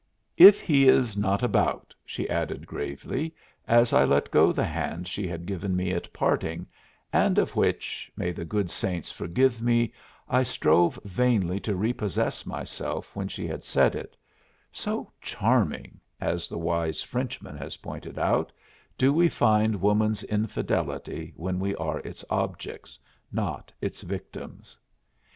"If he is not about," she added gravely, as I let go the hand she had given me at parting, and of which, may the good saints forgive me, I strove vainly to repossess myself when she had said it so charming, as the wise Frenchman has pointed out, do we find woman's infidelity when we are its objects, not its victims.